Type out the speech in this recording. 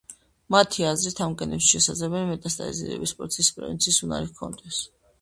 მათი აზრით, ამ გენებს შესაძლოა, მეტასტაზირების პროცესის პრევენციის უნარი ჰქონდეს.